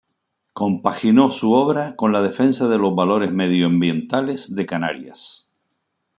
Compaginó su obra con la defensa de los valores medioambientales de Canarias.